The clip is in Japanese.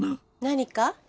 何か？